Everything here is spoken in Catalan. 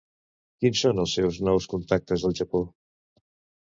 Quins són els seus nous contactes al Japó?